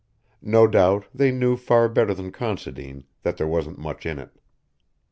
No doubt they knew far better than Considine that there wasn't much in it.